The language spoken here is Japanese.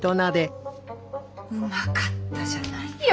うまかったじゃないよ